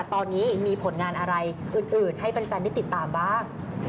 ตอนนี้มีผลงานอะไรอื่นให้แฟนได้ติดตามบ้าง